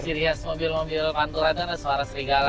serias mobil mobil pantulatnya ada suara serigala